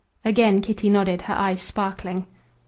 Again Kitty nodded, her eyes sparkling.